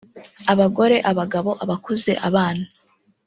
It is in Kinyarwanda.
abagore abagabo abakuze abana